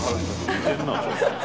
似てんなぁ。